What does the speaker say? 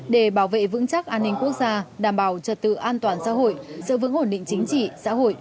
để bảo vệ vững chắc an ninh quốc gia đảm bảo trật tự an toàn xã hội giữ vững ổn định chính trị xã hội